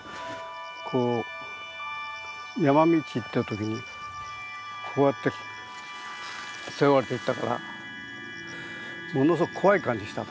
こう山道行った時にこうやって背負われていったからものすごく怖い感じしたの。